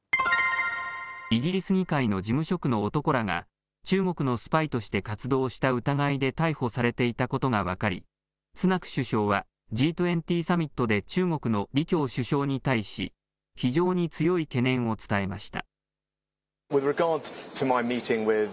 イギリス議会の事務職の男らが、中国のスパイとして活動した疑いで逮捕されていたことが分かり、スナク首相はＧ２０サミットで中国の李強首相に対し、非常に強い懸念を伝えました。